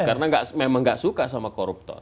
karena memang tidak suka sama koruptor